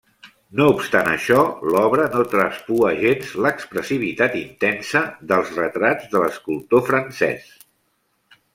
No obstant això, l'obra no traspua gens l'expressivitat intensa dels retrats de l'escultor francès.